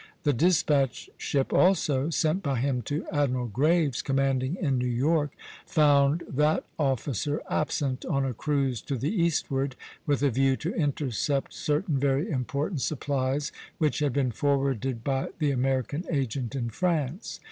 The despatch ship, also, sent by him to Admiral Graves commanding in New York, found that officer absent on a cruise to the eastward, with a view to intercept certain very important supplies which had been forwarded by the American agent in France.